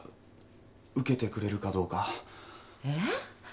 えっ？